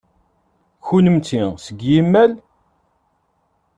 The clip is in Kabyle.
Kennemti seg yimal?